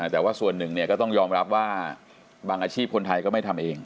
แต่ว่าส่วนหนึ่งก็ต้องยอมรับว่าบางอาชีพคนไทยก็ไม่ทำเอง